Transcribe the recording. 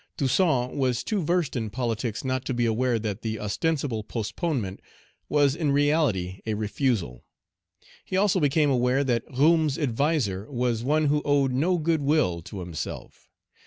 Toussaint was too versed in politics not to be aware that the ostensible postponement was in reality a refusal. He also became aware that Roume's adviser was one who owed no good will to himself.